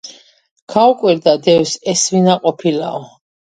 გაუკვირდა დევს, ეს ვინა ყოფილაო?!